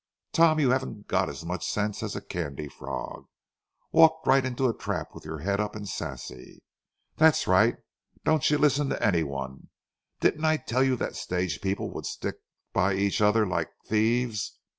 Tom, you haven't, got as much sense as a candy frog. Walked right into a trap with your head up and sassy. That's right—don't you listen to any one. Didn't I tell you that stage people would stick by each other like thieves?